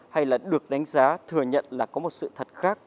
hay là được đánh giá thừa nhận là có một sự thật khác